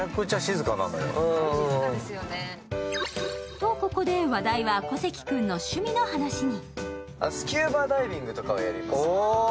と、ここで話題は小関君の趣味の話に。